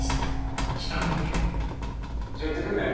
じゃあ行ってくんね。